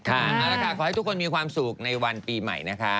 เอาละค่ะขอให้ทุกคนมีความสุขในวันปีใหม่นะคะ